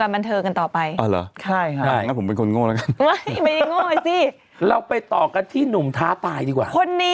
เพราะว่าแม่นะ